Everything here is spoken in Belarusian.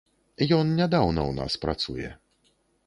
Ён нядаўна ў нас працуе.